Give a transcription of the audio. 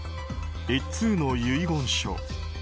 １通の遺言書。